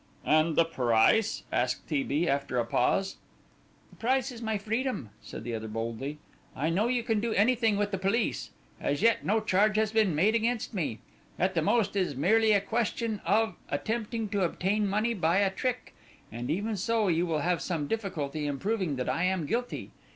"And the price?" asked T. B. after a pause. "The price is my freedom," said the other boldly. "I know you can do anything with the police. As yet, no charge has been made against me. At the most, it is merely a question of attempting to obtain money by a trick and even so you will have some difficulty in proving that I am guilty.